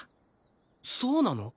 そうなの？